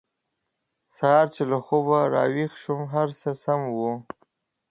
سهار چې له خوبه راویښ شوم هر څه سم وو